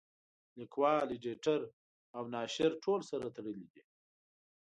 لیکوال اېډیټر او ناشر ټول سره تړلي دي.